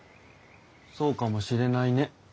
そうかもしれないね。